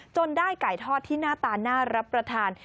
ได้ไก่ทอดที่หน้าตาน่ารับประทาน